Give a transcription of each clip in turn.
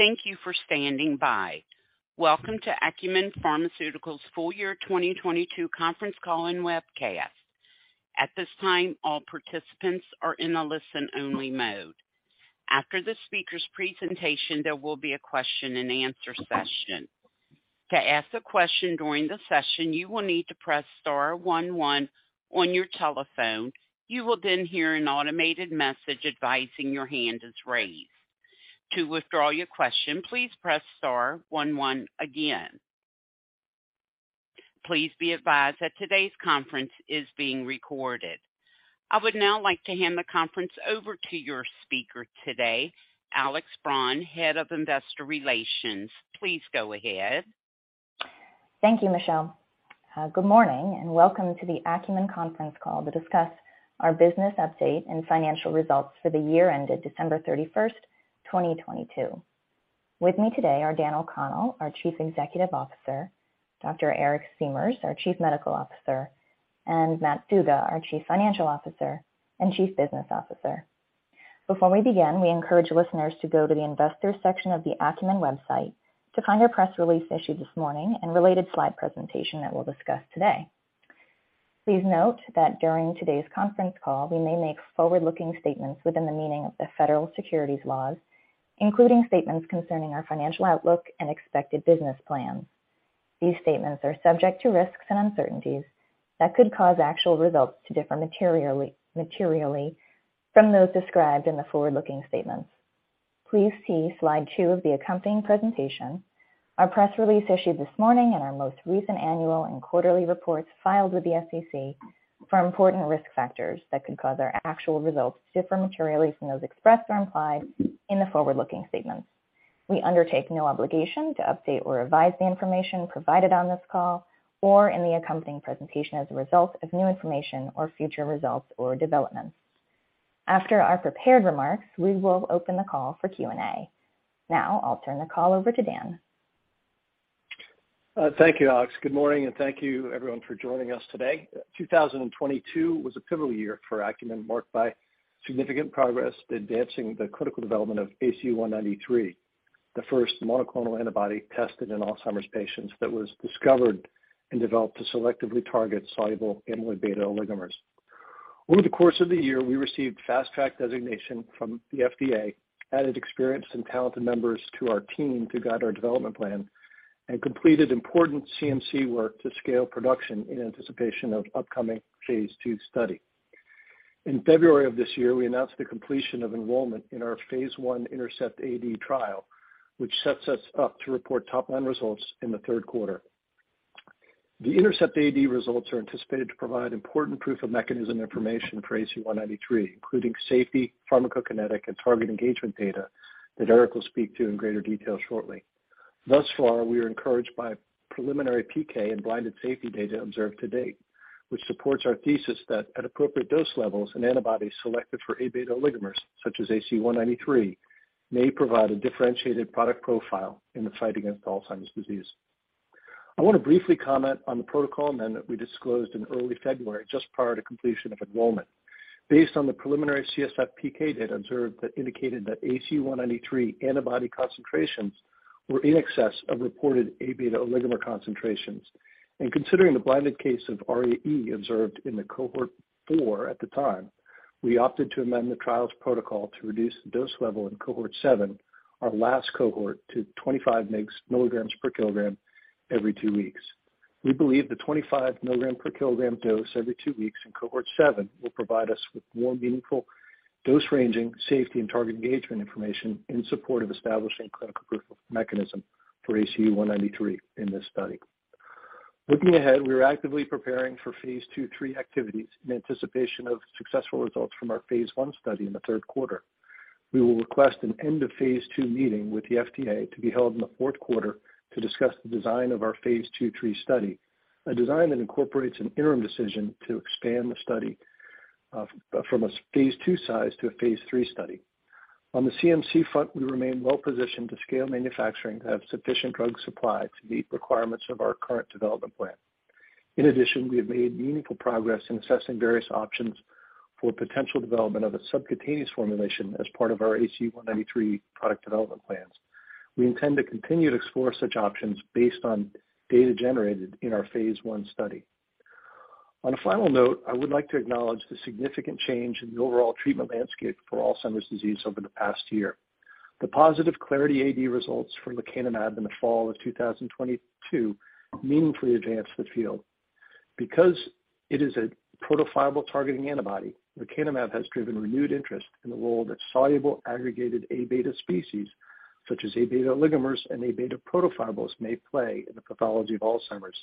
Thank you for standing by. Welcome to Acumen Pharmaceuticals' full-year 2022 conference call and webcast. At this time, all participants are in a listen-only mode. After the speaker's presentation, there will be a question-and-answer session. To ask a question during the session, you will need to press star one one on your telephone. You will then hear an automated message advising your hand is raised. To withdraw your question, please press star one one again. Please be advised that today's conference is being recorded. I would now like to hand the conference over to your speaker today, Alex Braun, Head of Investor Relations. Please go ahead. Thank you, Michelle. Good morning, and welcome to the Acumen conference call to discuss our business update and financial results for the year ended December 31st, 2022. With me today are Dan O'Connell, our Chief Executive Officer, Dr. Eric Siemers, our Chief Medical Officer, and Matt Zuga, our Chief Financial Officer and Chief Business Officer. Before we begin, we encourage listeners to go to the Investors section of the Acumen website to find our press release issued this morning and related slide presentation that we'll discuss today. Please note that during today's conference call, we may make forward-looking statements within the meaning of the federal securities laws, including statements concerning our financial outlook and expected business plans. These statements are subject to risks and uncertainties that could cause actual results to differ materially from those described in the forward-looking statements. Please see slide two of the accompanying presentation. Our press release issued this morning and our most recent annual and quarterly reports filed with the SEC for important risk factors that could cause our actual results to differ materially from those expressed or implied in the forward-looking statements. We undertake no obligation to update or revise the information provided on this call or in the accompanying presentation as a result of new information or future results or developments. After our prepared remarks, we will open the call for Q&A. I'll turn the call over to Dan. Thank you, Alex. Good morning, thank you everyone for joining us today. 2022 was a pivotal year for Acumen, marked by significant progress in advancing the critical development of ACU193, the first monoclonal antibody tested in Alzheimer's patients that was discovered and developed to selectively target soluble amyloid beta oligomers. Over the course of the year, we received Fast Track designation from the FDA, added experienced and talented members to our team to guide our development plan, and completed important CMC work to scale production in anticipation of upcoming phase 2 study. In February of this year, we announced the completion of enrollment in our phase 1 INTERCEPT-AD trial, which sets us up to report top-line results in the third quarter. The INTERCEPT-AD results are anticipated to provide important proof-of-mechanism information for ACU193, including safety, pharmacokinetic, and target engagement data that Eric will speak to in greater detail shortly. Thus far, we are encouraged by preliminary PK and blinded safety data observed to date, which supports our thesis that at appropriate dose levels an antibody selected for Aβ oligomers such as ACU193 may provide a differentiated product profile in the fight against Alzheimer's disease. I want to briefly comment on the protocol amendment we disclosed in early February, just prior to completion of enrollment. Based on the preliminary CSF PK data observed that indicated that ACU193 antibody concentrations were in excess of reported Aβ oligomer concentrations. Considering the blinded case of ARIA-E observed in the cohort 4 at the time, we opted to amend the trial's protocol to reduce the dose level in Cohort 7, our last cohort, to 25 milligrams per kilogram every 2 weeks. We believe the 25 milligrams per kilogram dose every 2 weeks in Cohort 7 will provide us with more meaningful dose-ranging, safety and target engagement information in support of establishing clinical proof of mechanism for ACU193 in this study. Looking ahead, we are actively preparing for phase 2-3 activities in anticipation of successful results from our phase 1 study in the third quarter. We will request an end-of-phase 2 meeting with the FDA to be held in the fourth quarter to discuss the design of our phase 2-3 study, a design that incorporates an interim decision to expand the study, from a phase 2 size to a phase 3 study. On the CMC front, we remain well positioned to scale manufacturing to have sufficient drug supply to meet requirements of our current development plan. In addition, we have made meaningful progress in assessing various options for potential development of a subcutaneous formulation as part of our ACU193 product development plans. We intend to continue to explore such options based on data generated in our phase 1 study. On a final note, I would like to acknowledge the significant change in the overall treatment landscape for Alzheimer's disease over the past year. The positive Clarity AD results from lecanemab in the fall of 2022 meaningfully advanced the field. Because it is a protofibril-targeting antibody, lecanemab has driven renewed interest in the role that soluble aggregated A-beta species, such as Aβ oligomers and A-beta protofibrils may play in the pathology of Alzheimer's,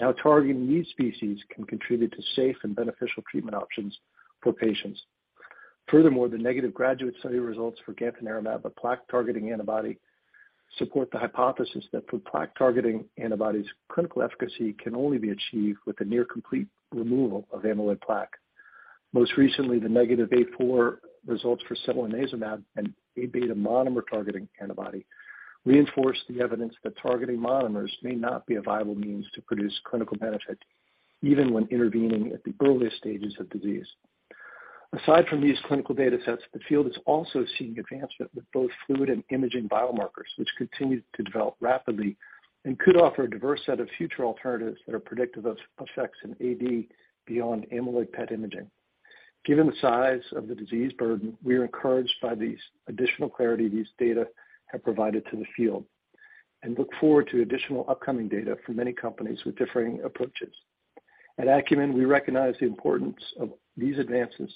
and how targeting these species can contribute to safe and beneficial treatment options for patients. The negative GRADUATE study results for gantenerumab, a plaque-targeting antibody, support the hypothesis that for plaque-targeting antibodies, clinical efficacy can only be achieved with the near complete removal of amyloid plaque. Most recently, the negative A4 results for solanezumab, an Aβ monomer-targeting antibody, reinforced the evidence that targeting monomers may not be a viable means to produce clinical benefit even when intervening at the earliest stages of disease. Aside from these clinical datasets, the field is also seeing advancement with both fluid and imaging biomarkers, which continue to develop rapidly and could offer a diverse set of future alternatives that are predictive of effects in AD beyond amyloid PET imaging. Given the size of the disease burden, we are encouraged by these additional clarity these data have provided to the field, and look forward to additional upcoming data from many companies with differing approaches. At Acumen, we recognize the importance of these advances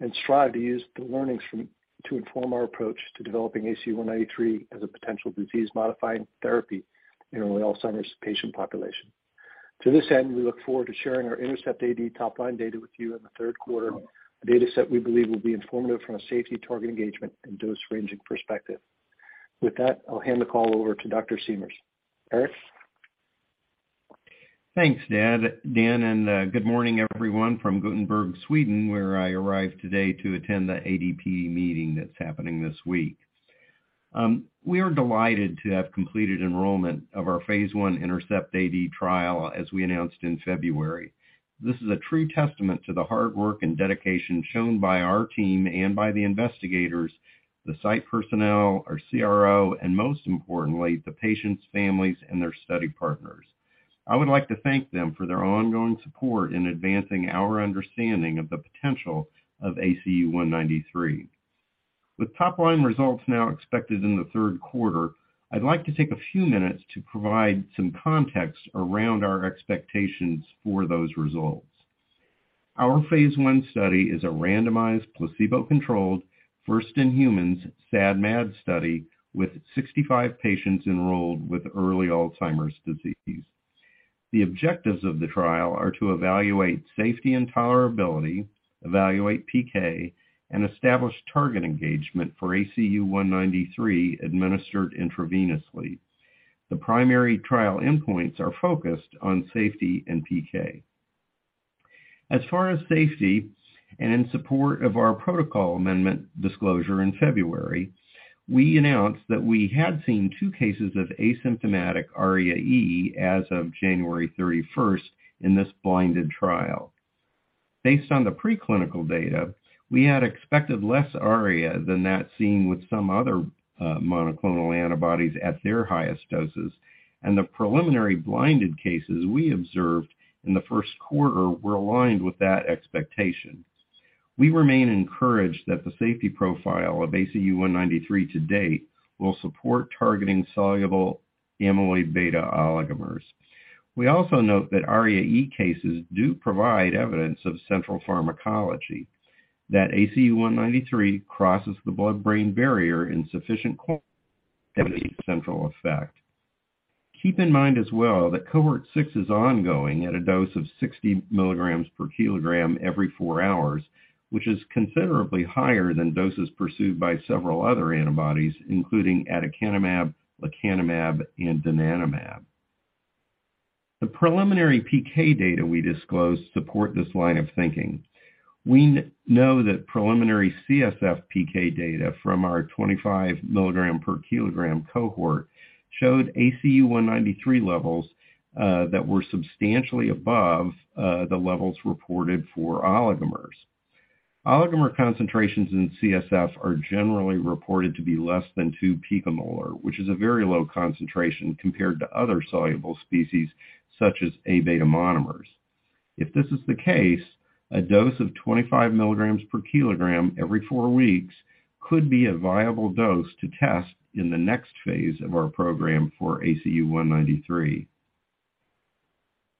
and strive to use the learnings to inform our approach to developing ACU193 as a potential disease-modifying therapy in early Alzheimer's patient population. To this end, we look forward to sharing our INTERCEPT-AD top line data with you in the third quarter, a dataset we believe will be informative from a safety target engagement and dose ranging perspective. With that, I'll hand the call over to Dr. Siemers. Eric? Thanks, Dan. Good morning, everyone from Gothenburg, Sweden, where I arrived today to attend the AD/PD™ meeting that's happening this week. We are delighted to have completed enrollment of our phase 1 INTERCEPT-AD trial as we announced in February. This is a true testament to the hard work and dedication shown by our team and by the investigators, the site personnel, our CRO, and most importantly, the patients, families, and their study partners. I would like to thank them for their ongoing support in advancing our understanding of the potential of ACU193. With top line results now expected in the third quarter, I'd like to take a few minutes to provide some context around our expectations for those results. Our phase 1 study is a randomized, placebo-controlled first-in-humans SAD/MAD study with 65 patients enrolled with early Alzheimer's disease. The objectives of the trial are to evaluate safety and tolerability, evaluate PK, and establish target engagement for ACU193 administered intravenously. The primary trial endpoints are focused on safety and PK. In support of our protocol amendment disclosure in February, we announced that we had seen two cases of asymptomatic ARIA-E as of January 31st in this blinded trial. Based on the preclinical data, we had expected less ARIA than that seen with some other monoclonal antibodies at their highest doses, and the preliminary blinded cases we observed in the first quarter were aligned with that expectation. We remain encouraged that the safety profile of ACU193 to date will support targeting soluble amyloid beta oligomers. We also note that ARIA-E cases do provide evidence of central pharmacology that ACU193 crosses the blood-brain barrier in sufficient quantity central effect. Keep in mind as well that Cohort 6 is ongoing at a dose of 60 milligrams per kilogram every four hours, which is considerably higher than doses pursued by several other antibodies, including aducanumab, lecanemab, and donanemab. The preliminary PK data we disclosed support this line of thinking. We know that preliminary CSF PK data from our 25 milligram per kilogram cohort showed ACU193 levels that were substantially above the levels reported for oligomers. Oligomer concentrations in CSF are generally reported to be less than two picomolar, which is a very low concentration compared to other soluble species such as A-beta monomers. If this is the case, a dose of 25 milligrams per kilogram every four weeks could be a viable dose to test in the next phase of our program for ACU193.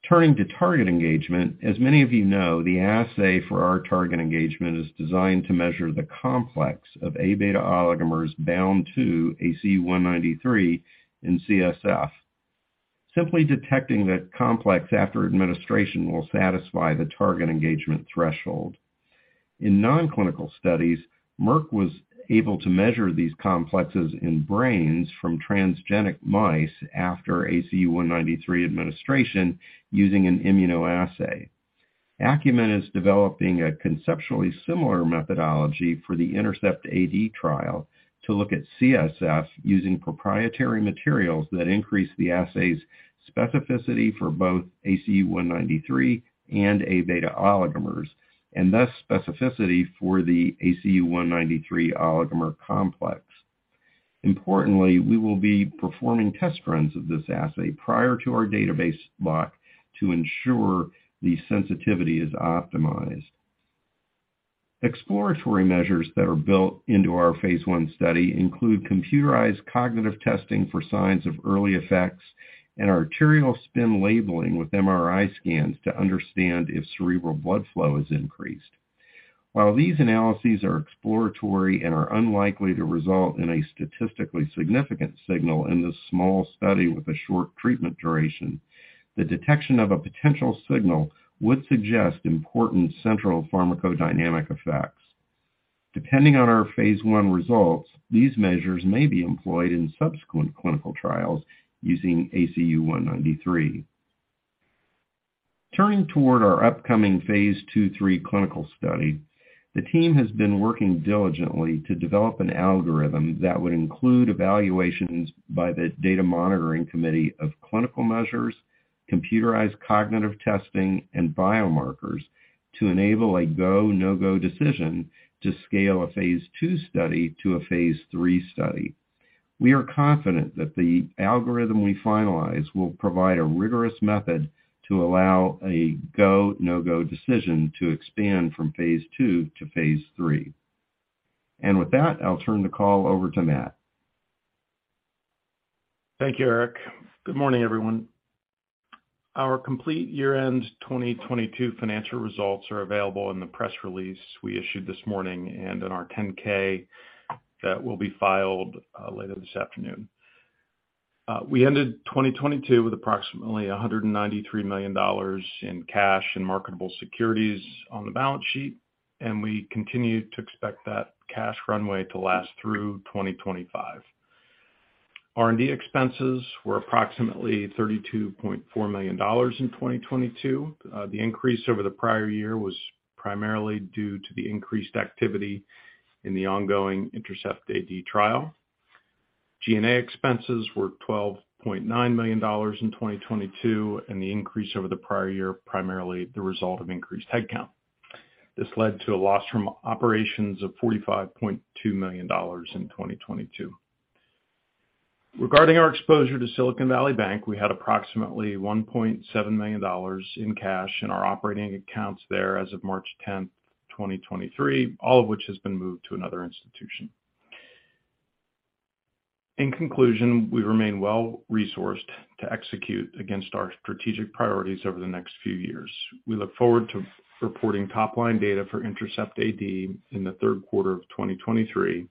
Turning to target engagement, as many of you know, the assay for our target engagement is designed to measure the complex of Aβ oligomers bound to ACU193 in CSF. Simply detecting that complex after administration will satisfy the target engagement threshold. In non-clinical studies, Merck was able to measure these complexes in brains from transgenic mice after ACU193 administration using an immunoassay. Acumen is developing a conceptually similar methodology for the INTERCEPT-AD trial to look at CSF using proprietary materials that increase the assay's specificity for both ACU193 and Aβ oligomers, and thus specificity for the ACU193 oligomer complex. Importantly, we will be performing test runs of this assay prior to our database block to ensure the sensitivity is optimized. Exploratory measures that are built into our phase 1 study include computerized cognitive testing for signs of early effects and arterial spin labeling with MRI scans to understand if cerebral blood flow is increased. While these analyses are exploratory and are unlikely to result in a statistically significant signal in this small study with a short treatment duration, the detection of a potential signal would suggest important central pharmacodynamic effects. Depending on our phase 1 results, these measures may be employed in subsequent clinical trials using ACU193. Turning toward our upcoming phase 2/3 clinical study, the team has been working diligently to develop an algorithm that would include evaluations by the Data Monitoring Committee of clinical measures Computerized cognitive testing and biomarkers to enable a go/no-go decision to scale a phase 2 study to a phase 3 study. We are confident that the algorithm we finalize will provide a rigorous method to allow a go/no-go decision to expand from phase 2 to phase 3. With that, I'll turn the call over to Matt. Thank you, Eric. Good morning, everyone. Our complete year-end 2022 financial results are available in the press release we issued this morning and in our 10-K that will be filed later this afternoon. We ended 2022 with approximately $193 million in cash and marketable securities on the balance sheet. We continue to expect that cash runway to last through 2025. R&D expenses were approximately $32.4 million in 2022. The increase over the prior year was primarily due to the increased activity in the ongoing INTERCEPT-AD trial. G&A expenses were $12.9 million in 2022. The increase over the prior year, primarily the result of increased headcount. This led to a loss from operations of $45.2 million in 2022. Regarding our exposure to Silicon Valley Bank, we had approximately $1.7 million in cash in our operating accounts there as of March 10, 2023, all of which has been moved to another institution. In conclusion, we remain well-resourced to execute against our strategic priorities over the next few years. We look forward to reporting top-line data for INTERCEPT-AD in the third quarter of 2023.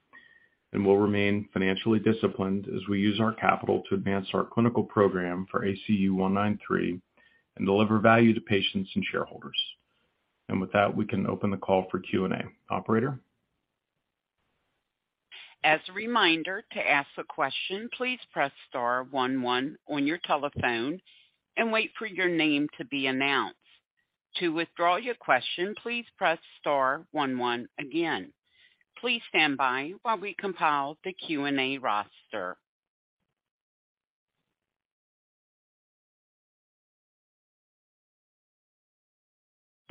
We'll remain financially disciplined as we use our capital to advance our clinical program for ACU193 and deliver value to patients and shareholders. With that, we can open the call for Q&A. Operator? As a reminder, to ask a question, please press star one one on your telephone and wait for your name to be announced. To withdraw your question, please press star one one again. Please stand by while we compile the Q&A roster.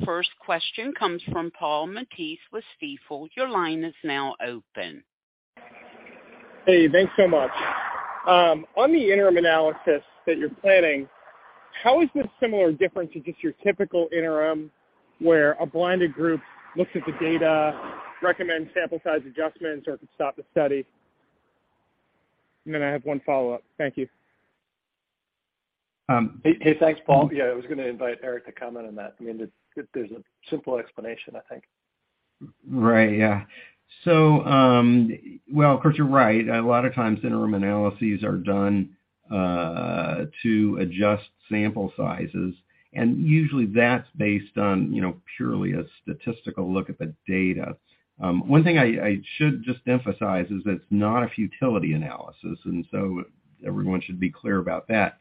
First question comes from Paul Matteis with Stifel. Your line is now open. Hey, thanks so much. On the interim analysis that you're planning, how is this similar or different to just your typical interim where a blinded group looks at the data, recommends sample size adjustments or if it stop the study? Then I have one follow-up. Thank you. Hey, thanks, Paul. I was gonna invite Eric to comment on that. I mean, there's a simple explanation, I think. Right. Yeah. Well, of course, you're right. A lot of times interim analyses are done to adjust sample sizes, and usually that's based on, you know, purely a statistical look at the data. One thing I should just emphasize is it's not a futility analysis. Everyone should be clear about that.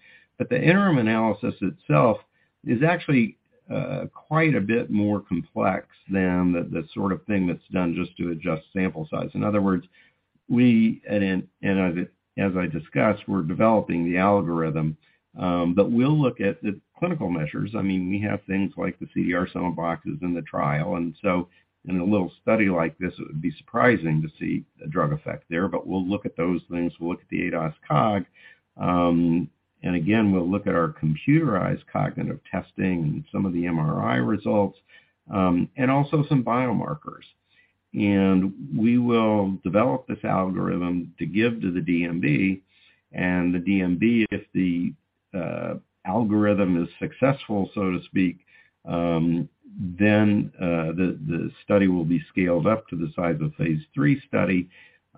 The interim analysis itself is actually quite a bit more complex than the sort of thing that's done just to adjust sample size. In other words, we and as I discussed, we're developing the algorithm. We'll look at the clinical measures. I mean, we have things like the CDR-SB in the trial. In a little study like this, it would be surprising to see a drug effect there. We'll look at those things. We'll look at the ADAS-Cog, and again, we'll look at our computerized cognitive testing and some of the MRI results, and also some biomarkers. We will develop this algorithm to give to the DMC. The DMC, if the algorithm is successful, so to speak, then the study will be scaled up to the size of phase 3 study.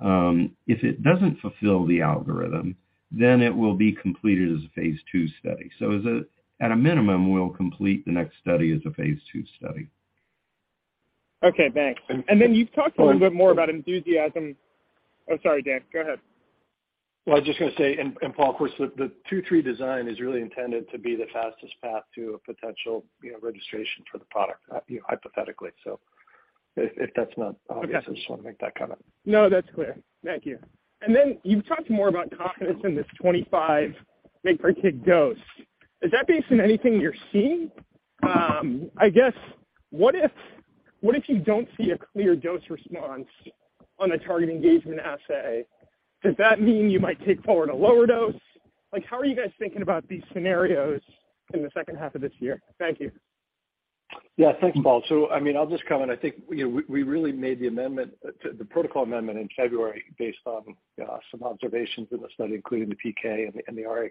If it doesn't fulfill the algorithm, then it will be completed as a phase 2 study. At a minimum, we'll complete the next study as a phase 2 study. Okay, thanks. And- You've talked a little bit more about enthusiasm... Oh, sorry, Dan. Go ahead. Well, I was just gonna say, and Paul, of course, the two three design is really intended to be the fastest path to a potential, you know, registration for the product, you know, hypothetically. If that's not obvious- Okay. I just wanna make that comment. No, that's clear. Thank you. Then you've talked more about confidence in this 25 mg/kg dose. Is that based on anything you're seeing? I guess what if, what if you don't see a clear dose response on a target engagement assay? Does that mean you might take forward a lower dose? Like, how are you guys thinking about these scenarios in the second half of this year? Thank you. Yeah. Thanks, Paul. I mean, I'll just comment. I think, you know, we really made the amendment to the protocol amendment in February based on some observations in the study, including the PK and the, and the ARIA.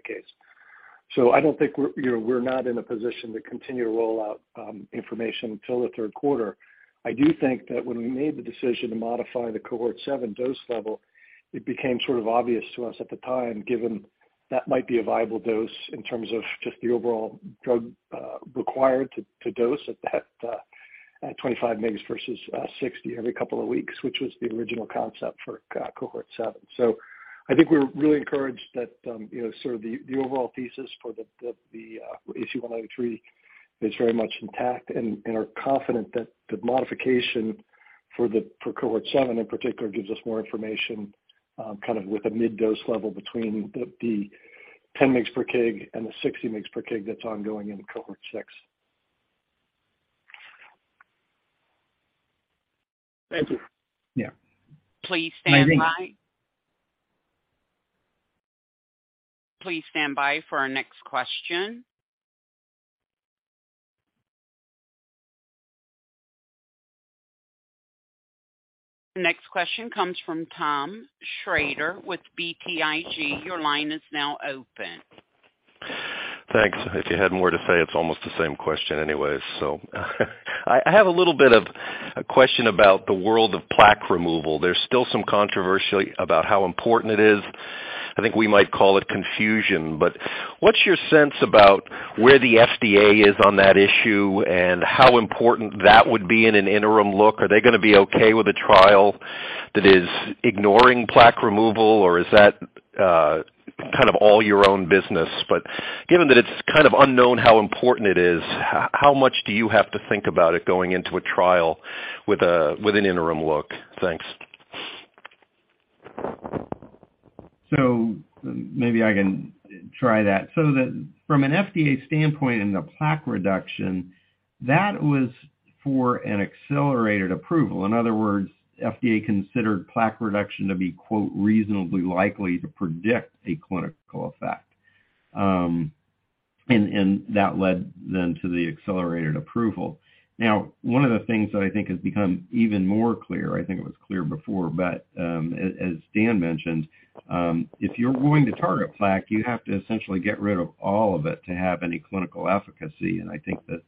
I don't think we're, you know, we're not in a position to continue to roll out information till the third quarter. I do think that when we made the decision to modify the cohort seven dose level, it became sort of obvious to us at the time, given that might be a viable dose in terms of just the overall drug required to dose at that 25 mgs versus 60 every couple of weeks, which was the original concept for Cohort 7. I think we're really encouraged that, you know, sort of the overall thesis for the ACU193. It's very much intact and are confident that the modification for Cohort 7 in particular gives us more information, kind of with a mid dose level between the 10 mgs per kg and the 60 mgs per kg that's ongoing in Cohort 6. Thank you. Yeah. Please stand by. Please stand by for our next question. The next question comes from Thomas Shrader with BTIG. Your line is now open. Thanks. If you had more to say, it's almost the same question anyways. I have a little bit of a question about the world of plaque removal. There's still some controversy about how important it is. I think we might call it confusion, but what's your sense about where the FDA is on that issue and how important that would be in an interim look? Are they gonna be okay with a trial that is ignoring plaque removal, or is that kind of all your own business? Given that it's kind of unknown how important it is, how much do you have to think about it going into a trial with a, with an interim look? Thanks. Maybe I can try that. From an FDA standpoint in the plaque reduction, that was for an accelerated approval. In other words, FDA considered plaque reduction to be, quote, "reasonably likely to predict a clinical effect." That led then to the accelerated approval. One of the things that I think has become even more clear, I think it was clear before, but, as Dan mentioned, if you're going to target plaque, you have to essentially get rid of all of it to have any clinical efficacy. I think the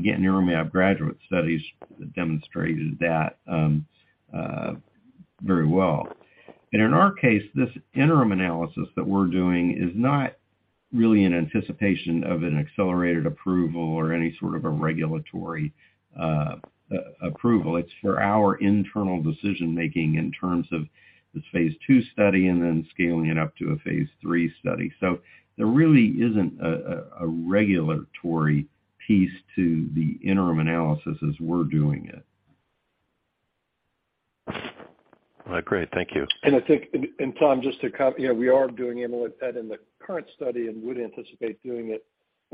gantenerumab GRADUATE studies demonstrated that very well. In our case, this interim analysis that we're doing is not really in anticipation of an accelerated approval or any sort of a regulatory approval. It's for our internal decision making in terms of this phase 2 study and then scaling it up to a phase 3 study. There really isn't a regulatory piece to the interim analysis as we're doing it. All right, great. Thank you. I think, Thom, just to, you know, we are doing analytic that in the current study and would anticipate doing it.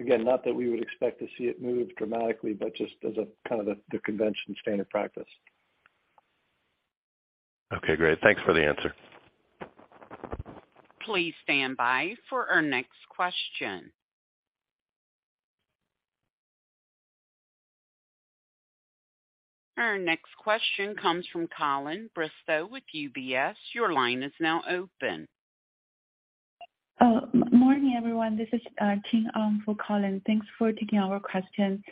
Not that we would expect to see it move dramatically, but just as a kind of the convention standard practice. Okay, great. Thanks for the answer. Please stand by for our next question. Our next question comes from Colin Bristow with UBS. Your line is now open. Morning, everyone. This is Ting for Colin. Thanks for taking our question.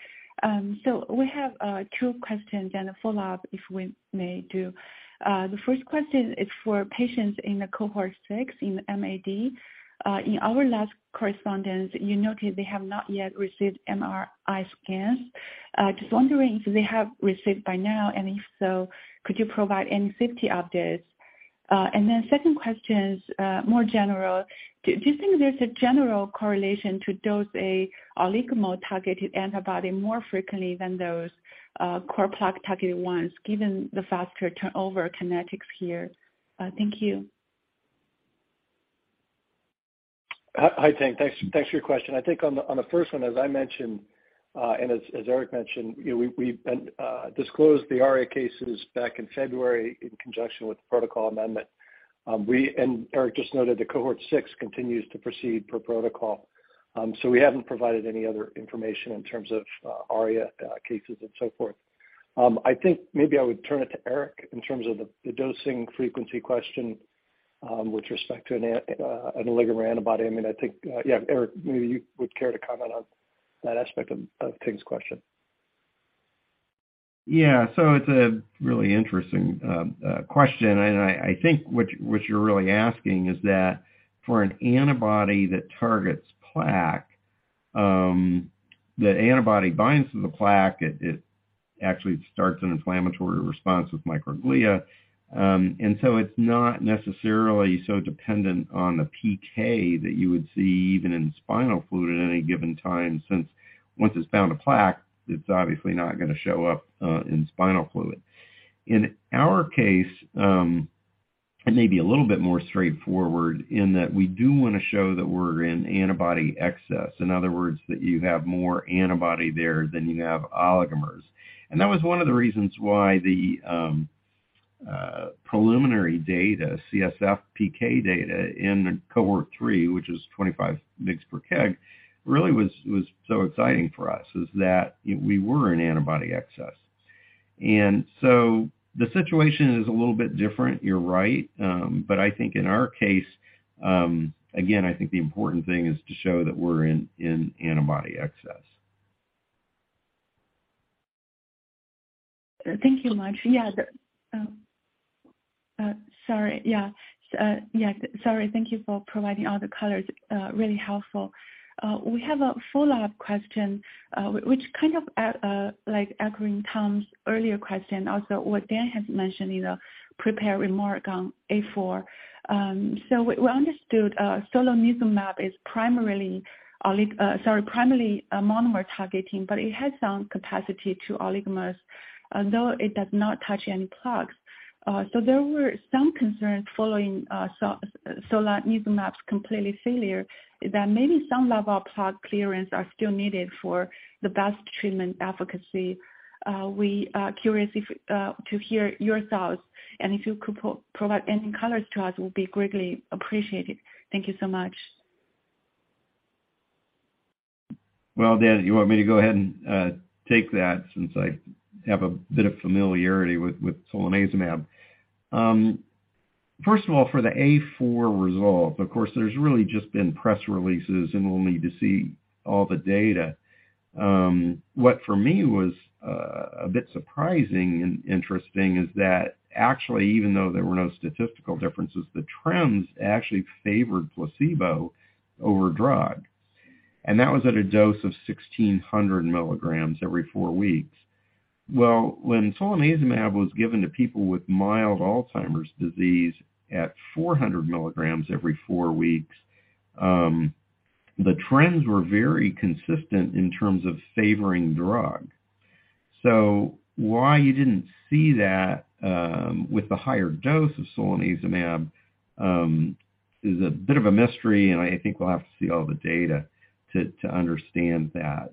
We have two questions and a follow-up, if we may do. The first question is for patients in the Cohort 6 in MAD. In our last correspondence, you noted they have not yet received MRI scans. Just wondering if they have received by now, and if so, could you provide any safety updates? The second question is more general. Do you think there's a general correlation to dose a oligomer targeted antibody more frequently than those core plaque targeted ones, given the faster turnover kinetics here? Thank you. Hi, Ting. Thanks for your question. I think on the first one, as I mentioned, and as Eric mentioned, you know, we've been disclosed the ARIA cases back in February in conjunction with the protocol amendment. We and Eric just noted that cohort six continues to proceed per protocol. We haven't provided any other information in terms of ARIA cases and so forth. I think maybe I would turn it to Eric in terms of the dosing frequency question with respect to an oligomer antibody. I mean, I think, yeah, Eric, maybe you would care to comment on that aspect of Ting's question. Yeah. It's a really interesting question. I think what you're really asking is that for an antibody that targets plaque, the antibody binds to the plaque. It actually starts an inflammatory response with microglia. It's not necessarily so dependent on the PK that you would see even in spinal fluid at any given time, since once it's found a plaque, it's obviously not gonna show up in spinal fluid. In our case, it may be a little bit more straightforward in that we do wanna show that we're in antibody excess. In other words, that you have more antibody there than you have oligomers. That was one of the reasons why the preliminary data, CSF PK data in Cohort 3, which is 25 mgs per kg, really was so exciting for us, is that we were in antibody excess. The situation is a little bit different, you're right. I think in our case, again, I think the important thing is to show that we're in antibody excess. Thank you much. Sorry. Yeah, sorry. Thank you for providing all the colors. Really helpful. We have a follow-up question, which kind of like echoing Thom's earlier question, also what Dan has mentioned in a prepared remark on A4. We understood, solanezumab is primarily sorry, primarily a monomer targeting, but it has some capacity to oligomers, although it does not touch any plaques. There were some concerns following solanezumab's completely failure that maybe some level of plaque clearance are still needed for the best treatment efficacy. We are curious if, to hear your thoughts, and if you could provide any colors to us would be greatly appreciated. Thank you so much. Well, Dan, you want me to go ahead and take that since I have a bit of familiarity with solanezumab. First of all, for the A4 resolve, of course, there's really just been press releases. We'll need to see all the data. What for me was a bit surprising and interesting is that actually, even though there were no statistical differences, the trends actually favored placebo over drug. That was at a dose of 1,600 mg every 4 weeks. Well, when solanezumab was given to people with mild Alzheimer's disease at 400 mg every 4 weeks, the trends were very consistent in terms of favoring drug. Why you didn't see that with the higher dose of solanezumab is a bit of a mystery, and I think we'll have to see all the data to understand that.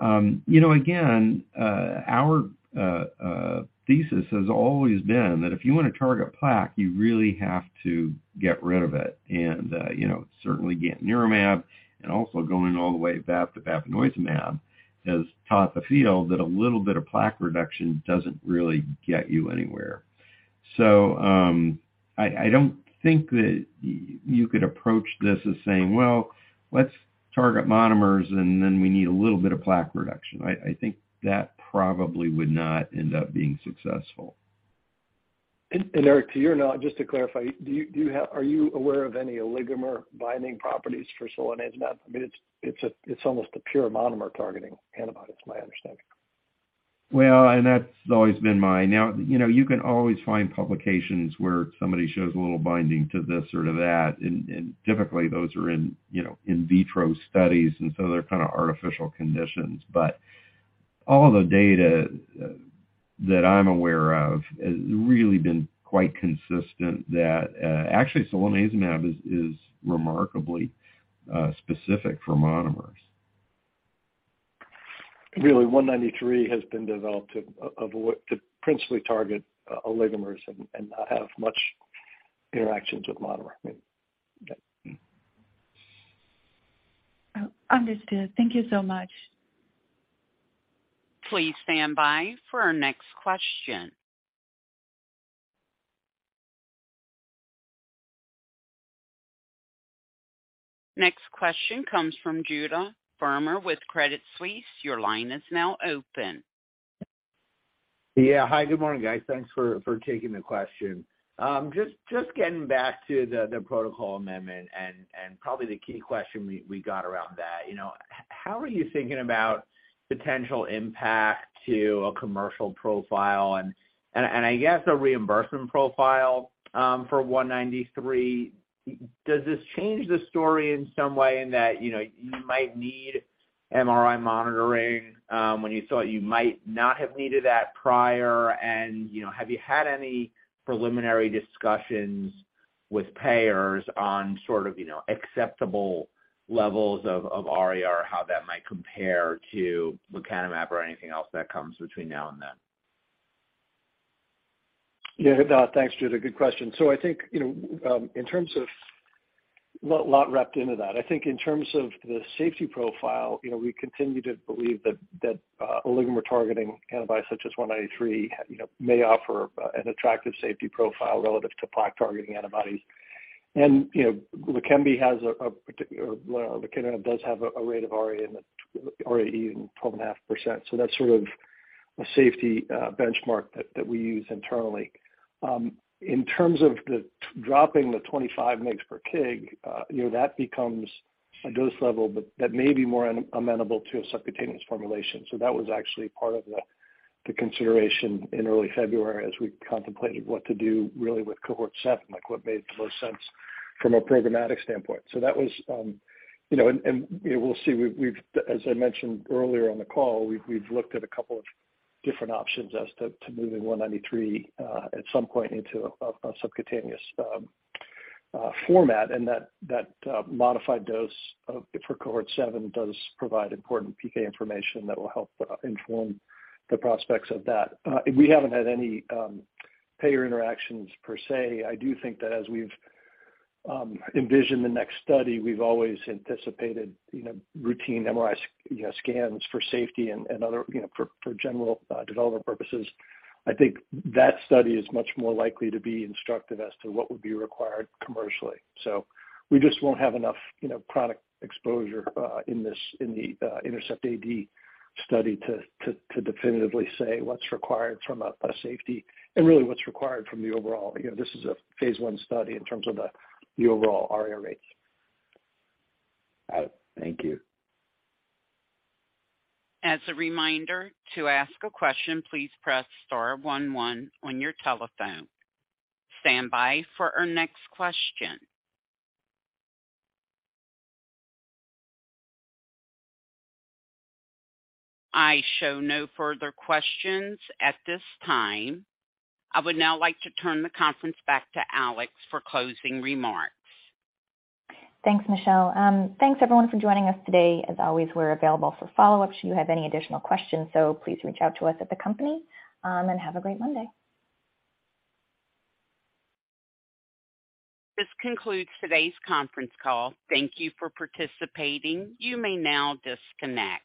You know, again, our thesis has always been that if you wanna target plaque, you really have to get rid of it. You know, certainly gantenerumab and also going all the way back to bapineuzumab has taught the field that a little bit of plaque reduction doesn't really get you anywhere. I don't think that you could approach this as saying, "Well, let's target monomers, and then we need a little bit of plaque reduction." I think that probably would not end up being successful. Eric, to your knowledge, just to clarify, are you aware of any oligomer binding properties for solanezumab? I mean, it's almost a pure monomer targeting antibody to my understanding. Well, that's always been my. You know, you can always find publications where somebody shows a little binding to this or to that. Typically those are in, you know, in vitro studies, they're kind of artificial conditions. All the data that I'm aware of has really been quite consistent that actually solanezumab is remarkably specific for monomers. Really, 193 has been developed to principally target oligomers and not have much interactions with monomer. I mean, yeah. Oh, understood. Thank you so much. Please stand by for our next question. Next question comes from Judah Frommer with Credit Suisse. Your line is now open. Yeah. Hi, good morning, guys. Thanks for taking the question. Just getting back to the protocol amendment and probably the key question we got around that. You know, how are you thinking about potential impact to a commercial profile and I guess a reimbursement profile for ACU193? Does this change the story in some way in that, you know, you might need MRI monitoring when you thought you might not have needed that prior? You know, have you had any preliminary discussions with payers on sort of, you know, acceptable levels of ARIA, how that might compare to lecanemab or anything else that comes between now and then? Yeah. No, thanks, Judah. Good question. I think, you know, in terms of Lot wrapped into that. I think in terms of the safety profile, you know, we continue to believe that oligomer-targeting antibodies such as ACU193, you know, may offer an attractive safety profile relative to plaque-targeting antibodies. You know, well, lecanemab does have a rate of ARIA-E in 12.5%. That's sort of a safety benchmark that we use internally. In terms of dropping the 25 mg/kg, you know, that becomes a dose level but that may be more amenable to a subcutaneous formulation. That was actually part of the consideration in early February as we contemplated what to do really with Cohort 7, like what made the most sense from a programmatic standpoint. As I mentioned earlier on the call, we've looked at a couple of different options as to moving 193 at some point into a subcutaneous format. That modified dose for Cohort 7 does provide important PK information that will help inform the prospects of that. We haven't had any payer interactions per se. I do think that as we've envisioned the next study, we've always anticipated, you know, routine MRI scans for safety and other, you know, for general development purposes. I think that study is much more likely to be instructive as to what would be required commercially. We just won't have enough, you know, product exposure in the INTERCEPT-AD study to definitively say what's required from a safety and really what's required from the overall. You know, this is a phase 1 study in terms of the overall ARIA rates. Got it. Thank you. As a reminder, to ask a question, please press star one one on your telephone. Stand by for our next question. I show no further questions at this time. I would now like to turn the conference back to Alex for closing remarks. Thanks, Michelle. Thanks everyone for joining us today. As always, we're available for follow-ups should you have any additional questions. Please reach out to us at the company, and have a great Monday. This concludes today's conference call. Thank you for participating. You may now disconnect.